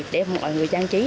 để mọi người trang trí